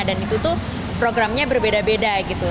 dan itu tuh programnya berbeda beda gitu